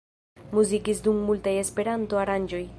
Muzikis dum multaj Esperanto-aranĝoj.